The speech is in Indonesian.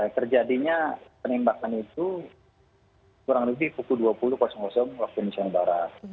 terjadinya penembakan itu kurang lebih pukul dua puluh waktu indonesia barat